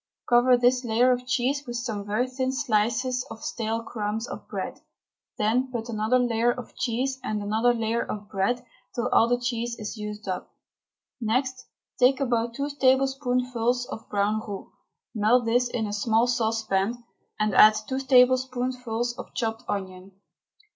Cover this layer of cheese with some very thin slices of stale crumb of bread. Then put another layer of cheese and another layer of bread till all the cheese is used up. Next take about two tablespoonfuls of brown roux, melt this in a small saucepan, and add two tablespoonfuls of chopped onion.